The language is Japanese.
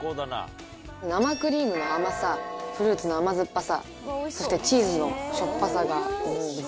生クリームの甘さフルーツの甘酸っぱさそしてチーズのしょっぱさが。